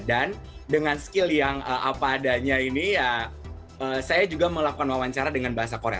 dengan skill yang apa adanya ini ya saya juga melakukan wawancara dengan bahasa korea